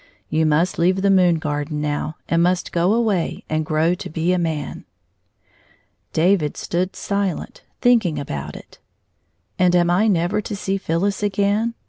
You must leave the moon garden now, and must go away and grow to be a man." David stood silent, thinking about it. " And am I never to see Phyllis again